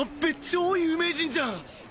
超有名人じゃん！